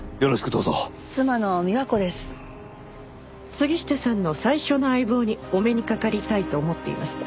杉下さんの最初の相棒にお目にかかりたいと思っていました。